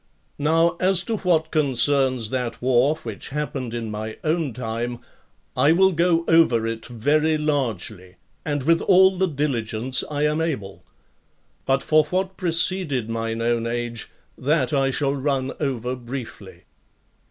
Now as to what concerns that war which happened in my own time, I will go over it very largely, and with all the diligence I am able; but for what preceded mine own age, that I shall run over briefly.